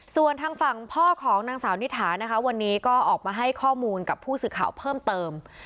ส่วนทางฝั่งพ่อของนางสาวนิถานะคะวันนี้ก็ออกมาให้ข้อมูลกับผู้สื่อข่าวเพิ่มเติม